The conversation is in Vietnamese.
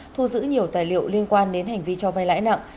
thu giữ nhiều tài liệu liên quan đến hành vi cho vay lãi nặng